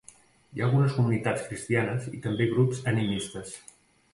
Hi ha algunes comunitats cristianes i també grups animistes.